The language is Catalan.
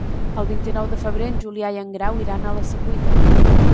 El vint-i-nou de febrer en Julià i en Grau iran a la Secuita.